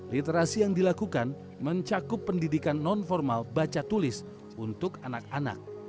literasi yang dilakukan mencakup pendidikan non formal baca tulis untuk anak anak